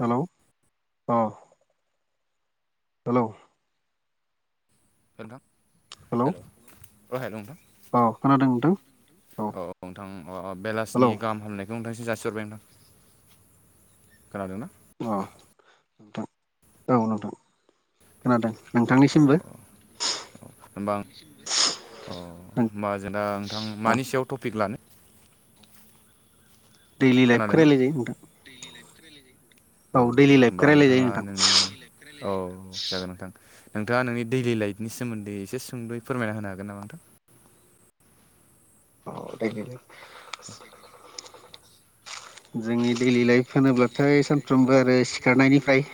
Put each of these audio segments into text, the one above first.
हेल' अ हेल' हेलथां hello hello अ हेल' नोंथां औ खोनादों नोंथां औ नोंथां हेलौ बेलासिनि गाहाम हामनायखौ नोंथांसि जासि रबाय नोंथां खोनादों ना अ नोंथां औ नोंथां खोनादों नोंथांनिसिमबो होनबा औ होमबा जों दा नोंथां औ मानि सायाव टपिक लानो दैलि लाइफखौ खोनादोंना रायलाय जायो नोंथां औ दैलि लाइफखौ होमबा रायलायजायो नोंथाङा नोंथां नोंनि औ जागोन नोंथां नोंथाङा नोंनि दैलि लाइफनि सोमोन्दै एसे सुंद'यै फोरमायना होनो हागोन नामा नोंथां औ दाय जोंनि दैलि लाइफ होनोब्लाथाय सानफ्रोमबो आरो सिखारनायनिफ्राय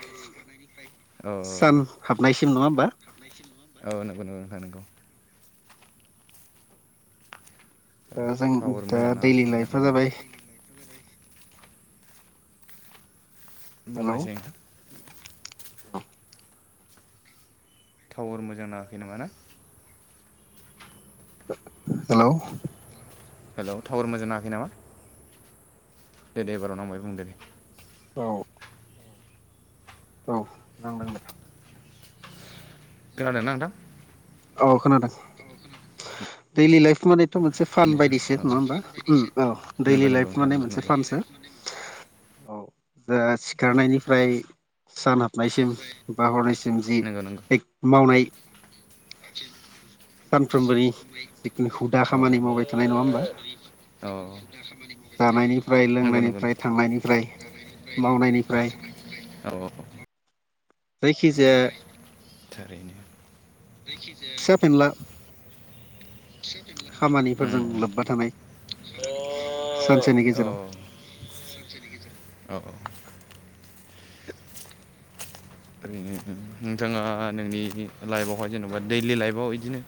औ सान हाबनायसिम नङा होमबा औ नंगौ नंगौ नोंथां नंगौ दा जों टावार दा मोजां दैलि नाङासै लाइफा जाबाय बुंनायसाय नोंथां औ टावार मोजां नाङाखै नामा ना हेल' हेल' टावार मोजां नाङाखै नामा दे दे एबार' नांबाय बुं दे औ औ नांदों दे खोनादों ना नोंथां औ खोनादों दैलि लाइफ मानि थ' मोनसे फान बायदिसो नङा होमबा औ नङा दैलि होमबा लाइफ मे मोनसे फानसो औ दा सिखारनायनिफ्राय सान हाबनायसिम बा हरनायसिम सिम नंगौ नंगौ जि मावनाय [unintelligible] सानफ्रोमबोनि जिखुनु हुदा खामानि मावबाय थानाय नङा होमबा जानायनिफ्राय नंगौ नंगौ लोंनायनिफ्राय [unintelligible] थांनायनिफ्राय मावनायनिफ्राय औ जायखि जाया थारैनो जायखिजाया फिसा फेनला खामानिफोरजों उम लोब्बा थानाय सानसेनि औ गेजेराव औ औ ओै नोंथाङा नोंनि लाइफआवहाय जेन'बा दैलि लाइफआव बिदिनो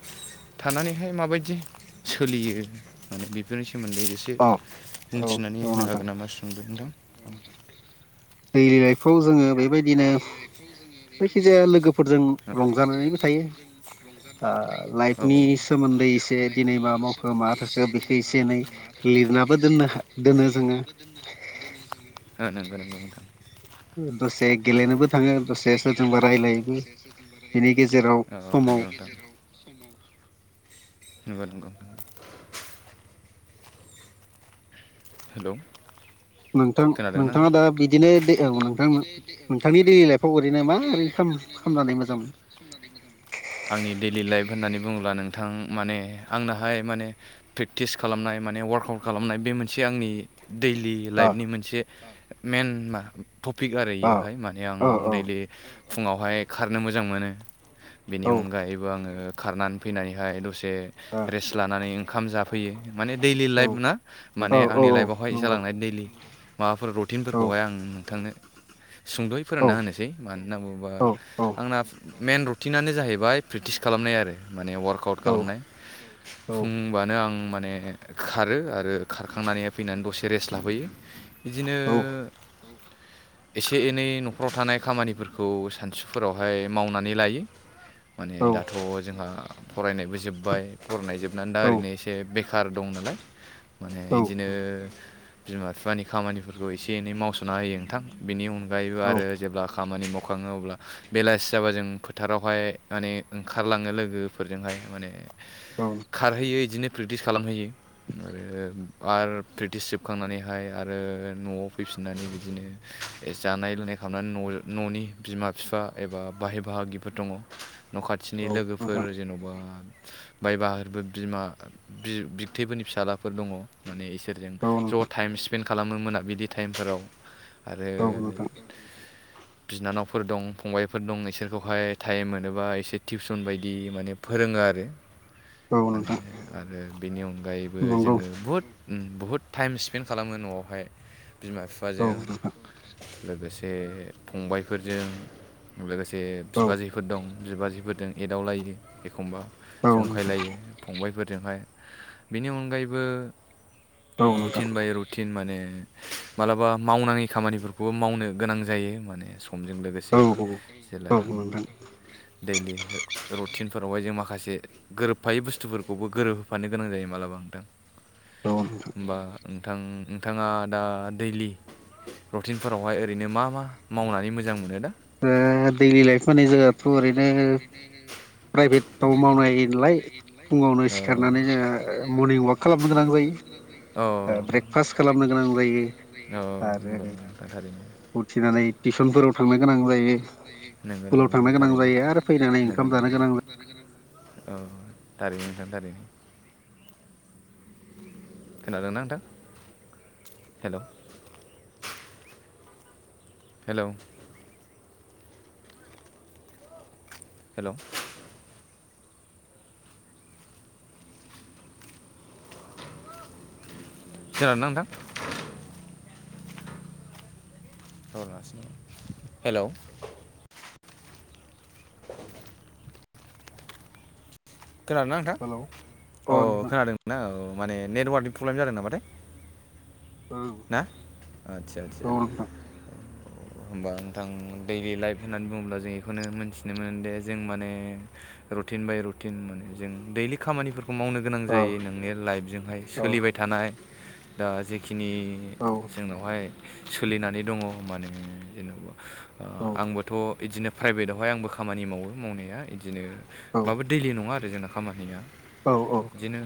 थानानैहाय माबायदि सोलियो माने बेफोरनिफ्राय सोमोन्दै एसे औ औ मिथिनानै औ होनो नोंथां हागोन नामा सोंबाय नोंथां गेलेनायफ्राव जोङो बेबायदिनो जायखि जाया लोगोफोरजों रंजानानैबो थायो औ लाइफनि सोमोन्दै एसे दिनै मा मावखो मा थाखो बेखौ एसे एनै लिरनाबो दोन [unintelligible] दसे गेलेनोबो थाङो दसे सोरजोंबा रायलायोबो बेनि औ गेजेराव समाव मबाइल कम्पानि हेलौ। नोंथां नोंथाङा दा बिदिनो दै औ नोंथां नोंथांनि दै लाइफआव ओरैनो मा ओरैनो खालाम खामनानै मोजां मोनो। आंनि दैइलि लाइफ होननानै बुं बुङोब्ला नोंथां माने आंनाहाय माने प्रेकटिस खालामनाय माने वार्कआउट खालामनाय बे मोनसे मोनसे आंनि दैइलि अ लाइफनि मोनसे मइेन मा टपिक आरो अ बेयोहाय माने आं औ दैइलि फुङावहाय खारनो मोजां मोनो। औ बेनि अनगायैबो आङो खारनानै फैनानैहाय दसे रेस्ट लानानै ओंखाम जाफैयो। माने दैइलि औ लाइफ ना औ माने औ आंनि औ लाइफआवहाय नंगौ जालांनाय दैलि माबा फोर औ रुटिनफोरखौहाय आं नोंथांनो सुंदयै औ फोरमाना होनोसै मानो होनना बुङोबा औ औ आंना मेन रुटिनानो जाहैबाय प्रेकटिस खालामनाय आरो। माने वार्कआउट औ खालामनाय औ फुंबानो आं माने खारो आरो खारखांनानै फैनानै दसे रेस्ट लाबोयो बिदिनो औ एसे एनै नखराव थानाय खामानिफोरखौ सानसुफोरावहाय मावनानै लायो। माने औ दाथ जोंहा फरायनायबो जोब्बाय फरायनाय जोबनानै दा औ ओरैनो एसे बे कार दं नालाय माने बिदिनो बिमा बिफानि खामानिफोरखौ एसे एनै मावस'शना होयो नोंथां। बेनि अनगायैबो औ आरो जेब्ला खामानि माव खाङो अब्ला बेलासि जाबा जों फोथारावहाय माने ओंखारलाङो लोगोफोरजोंहाय माने नोंथां खारहैयो बिदिनो प्रेक्टिस खालामहैयो। आरो आरो प्रिकटिस जोबखांनानैहाय आरो नआव फैफिननानै बिदिनो जानाय गेलेनाय खालामनानै न ननि बिमा बिफा एबा बाहाय बाहागिफोर दङ। न खाथिनि औ लोगोफोर जेनबा बाय बाहागिफोरबो बिमा बिथैफोरनि फिसाज्लाफोर दङ। माने एसे नोंथां गिदेरफोरजों ज औ टाइम स्पेन्ड खालामो मोना बिदि टाइमफोराव आरो नोंथां बिनानावफोर दं फंबायफोर दं इसोरखौहाय टाइम मोनोबा एसे टिउसन बायदि माने फोरोङो आरो औ माने नोंथां आरो बेनि अनगायैबो नंगौ जोङो बुहुद बहुद टाइम स्पेन्ड खालामो नआवहाय बिमा औ बिफाजों नोंथां लोगोसे फंबायफोरजों लोगोसे औ बिबाजैफोर दं। बिबाजिफोरजों एदावलायो एखमबा औ जंखाय नोंथां लायो फंबायाइफोर बेजोंहाय बेनि अनगायैबो औ नोंथां रुटिन बाय रुटिन माने मालाबा मावनाङि खामानिफोरखौबो मावनो गोनां जायो माने। समजों लोगोसे औ जेला औ नोंथां दैइलि रुटिन फोरावहाय जों माखासे गोरोबफायै बुस्थुफोरखौबो गोरोब होफानो गोनां जायो मालाबा नोंथां। औ नोंथां होमबा नोंथां नोंथाङा दा दैइलि रुटिनफोरावहाय ओरैनो मा मा मावनानै मोजां मोनो दा? द दैलि लाइफ होनोबाथ ओरैनो प्राइभेटआव मावनाय हायो नालाय फुङावनो फुङाव सिखारनानै जोङो मर्निं वआक खालामनो गोनां जायो ब्रेकफास्ट खालामनो गोनां जायो। औ नंगौ आरो नैगौ नोंथां थारैनो। उथिनानै टिउसनफोराव थांनो गोनां जायो नंगौ नंगौ स्कुलाव नोंथां थांनो गोनां थारैनो जायो आरो फैनानै नंगौ ओंखाम नंगौ जायो नोंथां थानोगोनां औ थारैनो नोंथां थारैनो। खोनादों ना‌ नोंथां हेलौ। हेलौ। हेलौ। खोनादोना नोंथां। हेलौ। [inaudible] खोनादों ना नोंथां जायो हेलौ अ औ नोंथां खोनादों ना औ माने नेटवार्कनि प्रब्लेम जादों नामाथाय औ ना आटचा आटचा अ औ नोंथां होनबा नोंथां दैयलि लाइफ होननानै बुंङोब्ला जों इखौनो मोनथिनो मोन दे जों माने रुटिन बाय रु टिन माने जों दैलि खामानिफोरखौ मावनो गोनां जायो नोंनि लाइफजोंहाय सोलिबाय थानाय दा जेखिनि औ जोंनावहाय सोलिनानै दंङ माने जेनेबा औ आंबोथ' इदिनो प्राइभेटावहाय आंबो खामानि मावो मावनाया इदिनो औ बाबो दैलि नङा आरो जोंना खामानिया बिदिनो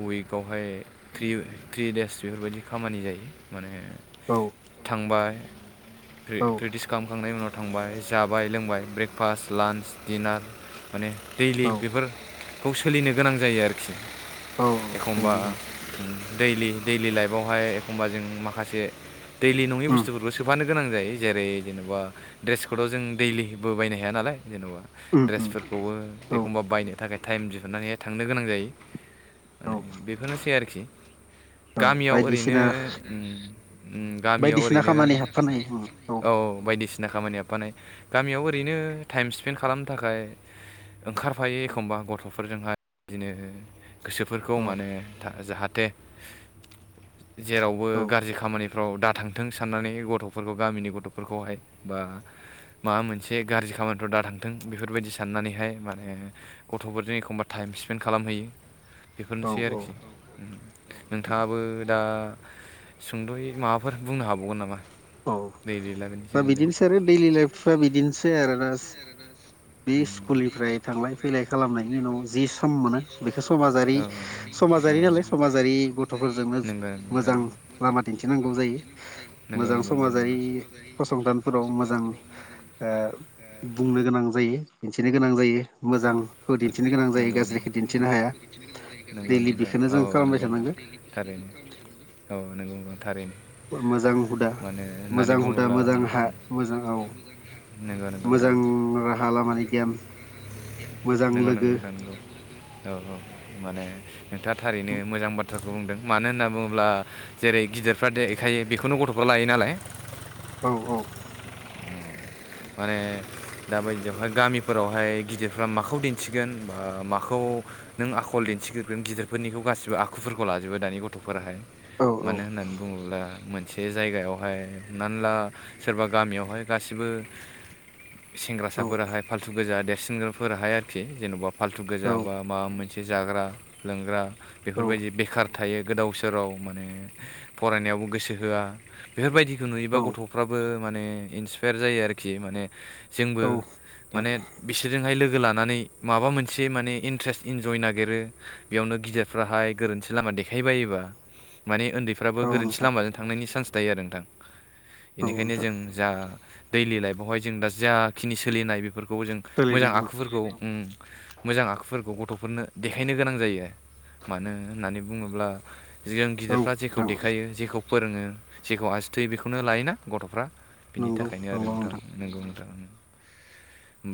उिकावहाय थ्रि थ्रि देस बेफोरबायदि खामानि जायो माने औ थांबाय औ क्रेटिस खालामखांनायनि उनाव थांबाय जाबाय लोंबाय ब्रेकफास्ट लान्च दिडिनार माने दैलि औ बेफोरखौ सोलिनो गोनां जायो आरोखि औ एखमबा दैलि दैलि दैलि लाइफआवहाय एखम्बा जों माखासे दैलि नङै उम बुस्थुफोरखौ सोफानो गोनां जायो जेरै जेनेबा ड्रेस कडआव जों दैलिबो बायनो हाया नालाय जेन'बा उम उम ड्रेसफोरखौबो औ एखमबा बायनो थाखाय टाइम दिहुनन्नानैहाय थांनो गोनां जायो औ माने बेफोरनोसै आरोखि औ गामियाव ओरैनो बायदिसिना गामियाव बायदिसिना ओरैनो खामानि हाबफानाय उम औ बायदिसिना खामानि हफानाय गामियाव ओरैनो टाइम स्पेन्ड खालामनो थाखाय ओंखारफायो एखमबा गथफोरजोंहाय बिदिनो गोसोफोरखौ औ औ माने जाहाथे जेरावबो औ गाज्रि खामानिफ्राव दाथांथों साननानै गथफोरखौ गामिनि गथफोरखौहाय बा माबा मोनसे गाज्रि खामानिफ्राव दा थांथों बेफोरबायदि साननानैहाय माने गथफोरजों एखमबा टाइम स्पेन्ड खालामहैयो बेफोरनोसै औ आरोखि औ नोंथाङाबो दा सुंदयै माबाफोर बुंनो हाबावगोन नामा औ दै बेलागोनि दा सोमोनदै बिदिनोसै आरो दैलि लाइफआ बिदिनोसै आरोना [unintelligible] [unintelligible] थांलाय फैलाय खालामनायनि उनाव जि खम मोनो बेखौ समाजारि औ समाजारि नालाय समाजारि गथफोरजोंनो नंगौ नोंथां मोजां लामा दिन्थिनांगौ जायो नंगौ मोजां नंगौ नोंथां नंगौ समाजारि फसंथानफोराव मोजां ओ बुंनो गोनां जायो दिन्थिनो गोनां जायो मोजांखौ दिन्थिनो गोनां जायो नंगौ नंगौ गाज्रिखौ दिन्थिनो हाया दैलि बेखौनो जों खालामबाय थानांगौ थारैनो औ नंगौ नंगौ थारैनो मोजां हुदा मानो होननानै मोजां हुदा उम, मोजां हा मोजां औ नोंथां मोजां राहा लामानि गियान मोजां नंगौ नंगौ लोगो ना नंगौ औ औ माने नोंथाङा थारैनो मोजां बाथ्रा बुंदों मानो होनना बुंङोब्ला जेरै गिदिरफ्रा देखायो बेखौनो गथफ्रा लायो नालाय औ औ नंगौ। [inaudible] माने मोजांयै ‌दं ना। दा बायदियावहाय गामिफोरावहाय गिदिरफ्रा माखौ दिन्थिगोन ब माखौ नों आखल दिन्थिगोन गावनि रोंगौथिखौ। गिगिरगोन गिदिरफोरनिखौ गासिबो आखुफोरखौ लाजोबो दानि गथफोराहाय औ मानो होननानै बुंङोब्ला से जायगायावहाय हमनानै ला सोरबा गामियावहाय गासिबो‌ औ सेंग्रासाफोराहाय फाल्थु गोजा देरसिनफोराहाय आरोखि जेनबा फाल्थु गोजा औ बा माबा मोनसे नंगौ। ए जाग्रा लोंग्रा बेफोरबायदि औ बेखार थायो गोदाव सोराव माने फरायनायावबो गोसो होआ बेफोरबायदि बे नुयोबा गथ'फ्राबो माने इन्सपायार जायो आरोखि माने‌ औ‌ नंगौ। जोंबो औ माने बिसोरजोंहाय लोगो लोगो लानानै माबा मोनसे माने इन्ट्रेस्ट इनजय नागिरो बेयावनो गिदिरफ्राहाय गोरोन्थि लामायाव नंगौ। देखायबायोबा माने उन्दैफ्राबो नोंथां औ गोरोन्थि नोंथां लामाजों थांनायनि चान्स थायो आरो नोंथां। औ बेनिखायनो नोंथां जों जा दैलि लाइफआवहाय जों दा जाखिनि सोलिनाय बेफोरखौ जों मोजां सोलिनाय आखुफोरखौ औ ओं मोजां आखुफोरखौ गथ'फोरनो देखायनो गोनां जायो। मानो होननानै बुङोब्ला जों गिदिरफ्रा जेखौ नोंथां देखायो जेखौ फोरोङो जेखौ थै बेखौनो नंगौ लायोना गथ'फ्रा बिनि थाखायनो आरो नोंथां नंगौ नोंथां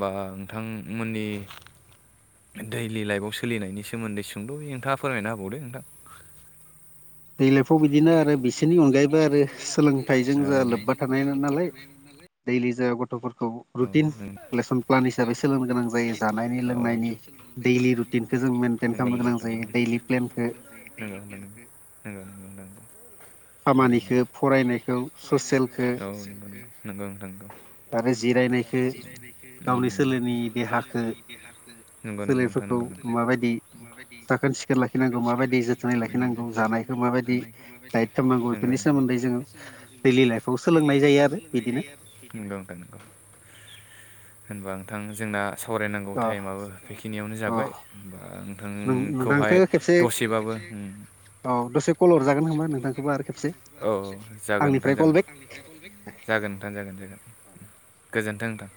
बा नोंथांमोननि‌ गथ'फोरा जोबोर मोजां। दैलि लाइफआव सोलिनायनि सोमोन्दै सुंद'यै नोंथाङा फोरमायना होबावदो नोंथां। दै्लइफाव बिदिनो आरो बिसोरनि अनगायैबो आरो सोलोंथाइजों लो लोब्बा थानाय नालाय। जा गथ'फोर औ रुटिन नों लेसन प्लान हिसाबै सोलोंनो गोनां जायो जानायनि लोंनायनि दैलि रुटिनखौ। जों मेनटेन नंगौ खालामनो नंगौ गोनां नोंथां। जायो दैलि प्लेनखौ नंगौ नंगौ नंगौ नंगौ। [unintelligible] थारैनो खामानिखौ फरायनायखौ ससियेलखौ औ नंगौ नोंथां नंगौ आरो जिरायनायखौ गावनि सोलेरनि देहाखौ [inaudible] नंगौ नोंथा सोलेरफोरखौ नंगौ [inaudible] माबायदि साखोन सिखोन लाखिनांगौ माबायदि जोथोनै लाखिनांगौ जानायखौ माबायदि दाइट खालामनांगौ बेफोरनि नंगौ सोमोन्दै जोङो [inaudible] दैलि लाइफआव नंगौ सोलोंनाय जायो आरो नोंथां बिदिनो नंगौ। [inaudible] होनबा नोंथां जोंना सावरायनांगौ अ टाइमाबो बेखिनियावनो अ जाबाय ओ नों नोंथांखौ नोंथांखौहाय खेबसे दसेबाबो मोनबाय ह। औ दसे कल हरजागोन होनबा नोंथांखौबो आरो खेबसे। औ औ जागोन नोंथां आंनिफ्राय कल जागोन जागोन नोंथा जागोन ज [unintelligible] बेक गोजोन्थों होनदोंों औ।